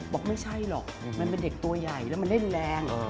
บอกไม่ใช่หรอกมันเป็นเด็กตัวใหญ่แล้วมันเล่นแรง